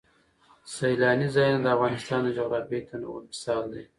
سیلانی ځایونه د افغانستان د جغرافیوي تنوع مثال دی.